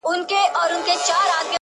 عاقل نه سوې چي مي څومره خوارۍ وکړې،